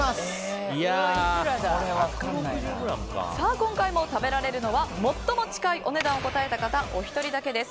今回も食べられるのは最も近いお値段を答えた方お一人だけです。